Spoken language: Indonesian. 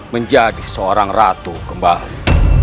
menjadi seorang ratu kembali